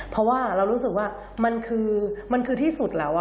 เพราะว่าเรารู้สึกว่ามันคือมันคือที่สุดแล้ว